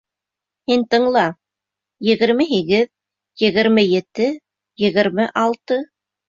Һин тыңла: егерме һигеҙ, егерме ете, егерме алты...